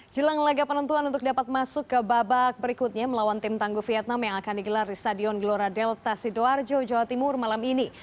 jelang laga penentuan untuk dapat masuk ke babak berikutnya melawan tim tangguh vietnam yang akan digelar di stadion gelora delta sidoarjo jawa timur malam ini